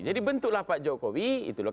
jadi bentuklah pak jokowi itu loh